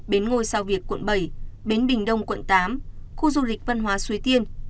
bến ngôi sao việt quận bảy bến bình đông quận tám khu du lịch văn hóa xuế tiên